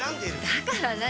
だから何？